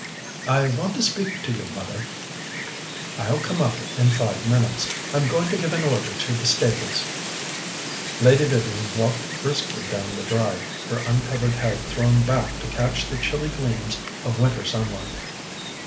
"I want to speak to you, mother." "I'll come up in five minutes. I'm going to give an order to the stables." Lady Vivian walked briskly down the drive, her uncovered head thrown back to catch the chilly gleams of winter sunlight.